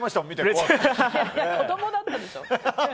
子供だったでしょ。